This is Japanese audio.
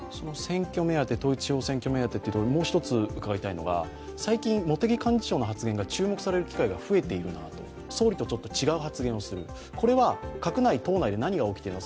統一地方選挙目当てということともう一つ伺いたいのは最近、茂木幹事長の発言が注目される機会が増えているなと総理と違う発言をする、これは閣内、党内で何が起きているのか